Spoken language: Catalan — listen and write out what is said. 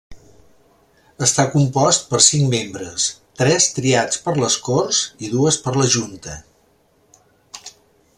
Està compost per cinc membres, tres triats per les Corts i dues per la Junta.